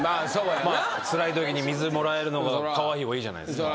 つらいときに水もらえるのがカワイイ方がいいじゃないですか。